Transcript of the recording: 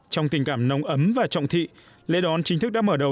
trong tình cảm nông ấm và trọng thị lễ đón chính thức đã mở đầu cho hàng